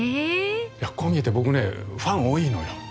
いやこう見えて僕ねファン多いのよ。